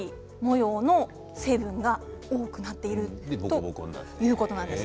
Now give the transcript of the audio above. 黒い模様の成分が多くなっているということなんです。